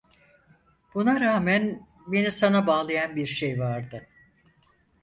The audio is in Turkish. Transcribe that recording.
Buna rağmen beni sana bağlayan bir şey vardı.